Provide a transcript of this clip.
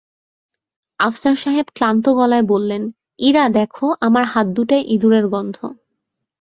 আফসার সাহেব ক্লান্ত গলায় বললেন, ইরা, দেখ আমার হাত দুটায় ইঁদুরের গন্ধ।